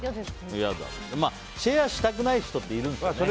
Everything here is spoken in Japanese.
シェアしたくない人っているよね。